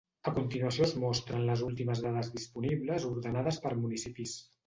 A continuació es mostren les últimes dades disponibles ordenades per municipis.